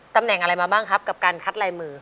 ตำแหน่งอะไรมาบ้างครับกับการคัดลายมือ